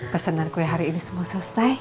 pesanan kue hari ini semua selesai